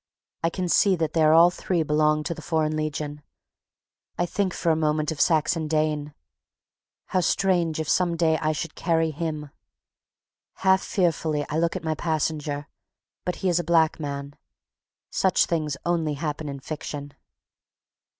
I can see that they all three belong to the Foreign Legion. I think for a moment of Saxon Dane. How strange if some day I should carry him! Half fearfully I look at my passenger, but he is a black man. Such things only happen in fiction.